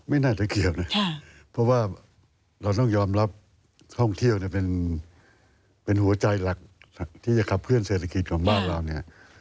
ไม่น่าจะเกี่ยวนะเพราะว่าเราต้องยอมรับท่องเที่ยวเนี่ยเป็นหัวใจหลักที่จะขับเคลื่อเศรษฐกิจของบ้านเราเนี่ย